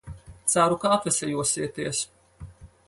Ceru, ka atveseļosieties.